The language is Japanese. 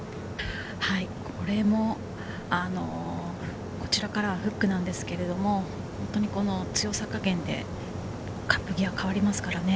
これも、こちらからはフックなんですけれど、本当に強さ加減で、カップ際は変わりますからね。